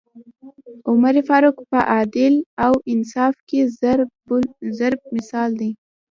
عمر فاروق په عدل او انصاف کي ضَرب مثل دی